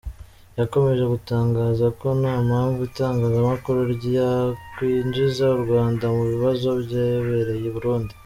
Yakomeje gutangaza ko nta mpamvu itangazamakuru ryakwinjiza u Rwanda mu bibazo byabereye i Burundi .